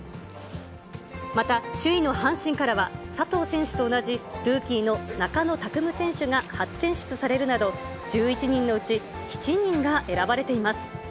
また首位の阪神からは、佐藤選手と同じルーキーの中野拓夢選手が初選出されるなど、１１人のうち７人が選ばれています。